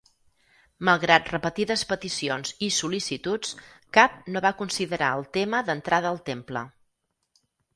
Malgrat repetides peticions i sol·licituds, cap no va considerar el tema d'entrada al temple.